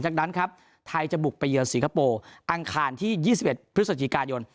จากนั้นครับไทยจะบุกไปเยือนสิงคโปร์อังคารที่๒๑พฤศจิกายน